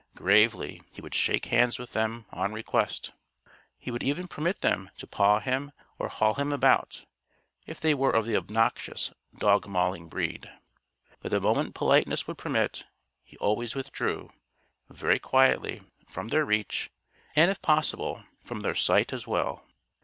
Gravely, he would shake hands with them, on request. He would even permit them to paw him or haul him about, if they were of the obnoxious, dog mauling breed. But the moment politeness would permit, he always withdrew, very quietly, from their reach and, if possible, from their sight as well.